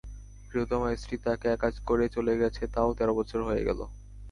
প্রিয়তমা স্ত্রী তাঁকে একা করে চলে গেছে তাও তেরো বছর হয়ে গেল।